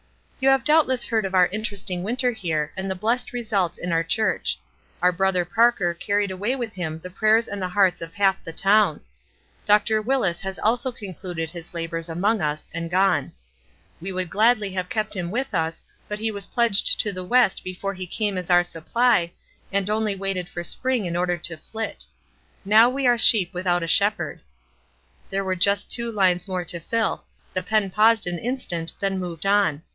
" You have doubtless heard of our interesting winter here, and the blessed results in our church. Our Brother Parker carried away 847 348 WISE AND OTHEKWISE. with him the prayers and the hearts of half the town. Dr. Willis has also concluded his labors among us, and gone. We would gladly have kept him with us, but he was pledged to the West before he came as our supply, and only waited for spring in order to flit. Now we are sheep without a shepherd." There were just two lines more to fill ; the pen paused an in stant, then moved on.